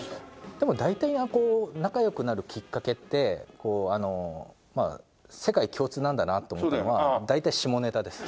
でも大体が仲良くなるきっかけってまあ世界共通なんだなと思ったのは大体下ネタです。